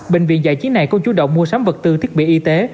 bệnh viện giải chiến này cũng chú động mua sắm vật tư thiết bị y tế